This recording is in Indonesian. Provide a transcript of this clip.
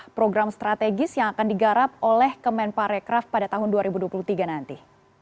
program strategis yang akan digarap oleh kemenparekraf pada tahun dua ribu dua puluh tiga nanti